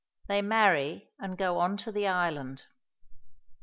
THEY MARRY, AND GO ON TO THE ISLAND.